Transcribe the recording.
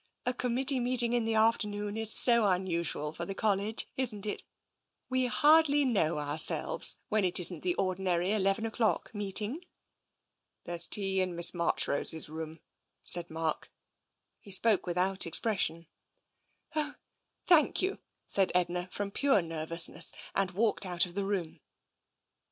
A Committee meeting in the afternoon is so unusual for the College, isn't it? We hardly know ourselves, when it isn't the ordinary eleven o'clock meeting." "There is tea in Miss Marchrose's room," said Mark. He spoke without expression. " Oh, thank you," said Edna, from pure nervousness, and walked out of the room.